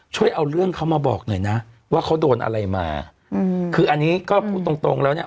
ช่วยเอาเรื่องเขามาบอกหน่อยนะว่าเขาโดนอะไรมาอืมคืออันนี้ก็พูดตรงตรงแล้วเนี้ย